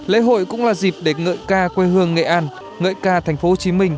lễ hội cũng là dịp để ngợi ca quê hương nghệ an ngợi ca tp hcm